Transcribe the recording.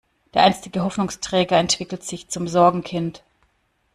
Der einstige Hoffnungsträger entwickelt sich zum Sorgenkind.